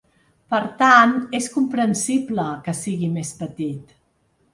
Per tant, és comprensible que sigui més petit.